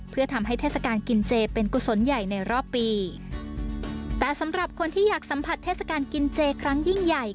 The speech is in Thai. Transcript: เพื่อทำให้เทศกาลกินเจเป็นกุศลใหญ่ในรอบปีแต่สำหรับคนที่อยากสัมผัสเทศกาลกินเจครั้งยิ่งใหญ่